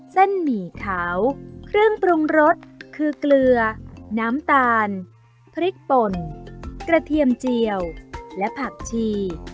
หมี่ขาวเครื่องปรุงรสคือเกลือน้ำตาลพริกป่นกระเทียมเจียวและผักชี